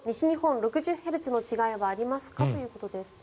６０ヘルツの違いはありますか？ということです。